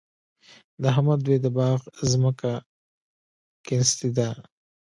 د احمد دوی د باغ ځمکه کېنستې ده.